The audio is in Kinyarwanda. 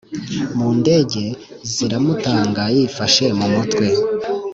mundege ziramutanga yifahe mumutwe